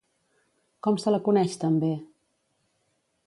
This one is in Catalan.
Com se la coneix també?